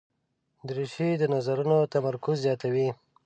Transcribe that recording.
دریشي د نظرونو تمرکز زیاتوي.